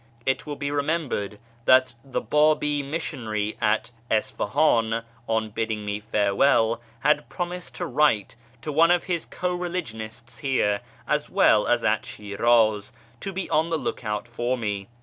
It will be remembered that the Babi missionary at Isfahan, on bidding me farewell, had promised to write to one of his co religionists here, as well as at Shiraz, to be on the look out for me.